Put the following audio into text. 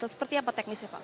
seperti apa teknisnya pak